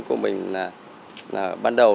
của mình là bắt đầu